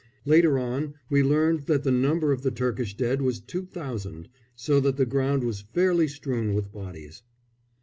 Later on we learned that the number of the Turkish dead was 2000, so that the ground was fairly strewn with bodies.